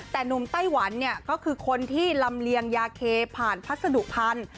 แต่หนุ่มไต้หวันเนี่ยก็คือคนที่ลำเลียงยาเคผ่านพัสดุพันธุ์